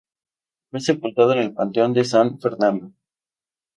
Fue sepultado en el Panteón de San Fernando.